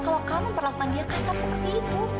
kalau kamu perlengkapan dia kasar seperti itu